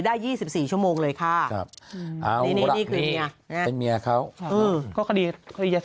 ได้๒๔ชั่วโมงเลยค่ะนี่นี่คือเมียเป็นเมียเขา